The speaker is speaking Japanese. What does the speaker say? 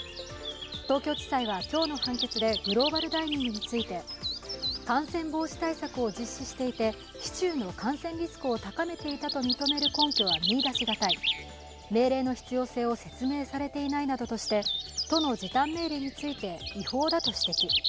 東京地裁は今日の判決でグローバルダイニングについて感染防止対策を実施していて市中の感染リスクを高めていたと認める根拠は見いだし難い、命令の必要性を説明されていないなどとして都の時短命令について違法だと指摘。